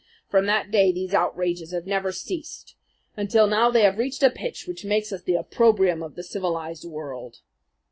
From that day these outrages have never ceased, until now they have reached a pitch which makes us the opprobrium of the civilized world.